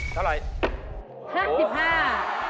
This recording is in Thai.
เท่าไหร่